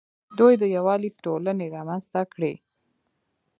دوی د یووالي ټولنې رامنځته کړې